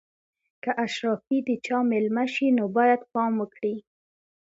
که اشرافي د چا مېلمه شي نو باید پام وکړي.